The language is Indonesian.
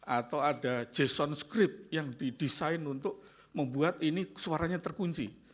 atau ada jason script yang didesain untuk membuat ini suaranya terkunci